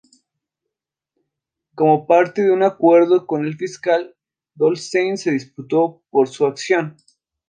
Como parte de un acuerdo con el fiscal, Goldstein se disculpó por su acción.